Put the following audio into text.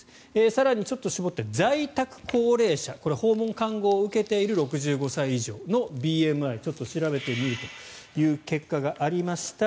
更に、ちょっと絞って在宅高齢者これ、訪問看護を受けている６５歳以上のＢＭＩ調べてみるという結果がありました。